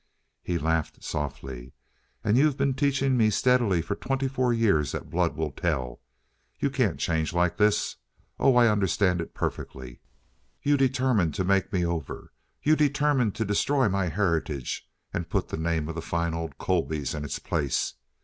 He laughed softly. "And you've been teaching me steadily for twenty four years that blood will tell? You can't change like this. Oh, I understand it perfectly. You determined to make me over. You determined to destroy my heritage and put the name of the fine old Colbys in its place.